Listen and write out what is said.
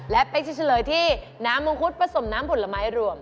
และเป๊กจะเฉลยที่น้ำมงคุดผสมน้ำผลไม้รวม